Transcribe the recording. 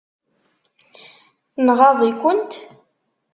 Nɣaḍ-ikent?